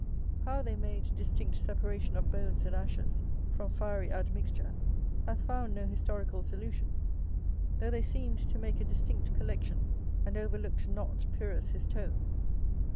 How they made distinct separation of bones and ashes from fiery admixture, hath found no historical solution; though they seemed to make a distinct collection and overlooked not Pyrrhus his toe.